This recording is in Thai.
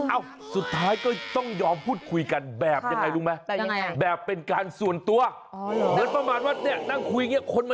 เอ้าสุดท้ายก็ต้องยอมพูดคุยกันแบบอย่างไรรู้ไหม